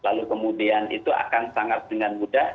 lalu kemudian itu akan sangat dengan mudah